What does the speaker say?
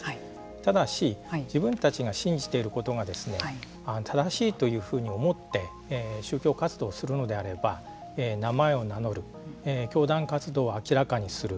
ただし、自分たちが信じていることが正しいというふうに思って宗教活動をするのであれば名前を名乗る教団活動を明らかにする。